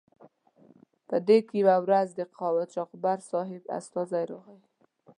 په دې کې یوه ورځ د قاچاقبر صاحب استازی راغی.